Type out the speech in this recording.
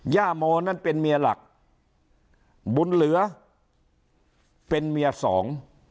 ย่าโมนั้นเป็นเมียหลักบุญเหลือเป็นเมียสอง